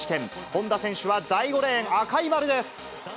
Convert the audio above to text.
本多選手は第５レーン、赤い丸です。